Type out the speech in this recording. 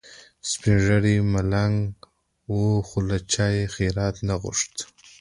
سپین ږیری ملنګ و خو له چا یې خیرات نه غوښت.